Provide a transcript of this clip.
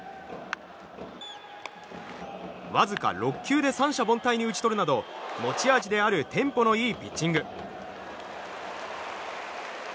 わずか６球で三者凡退に打ち取るなど持ち味であるテンポのいいピッチング。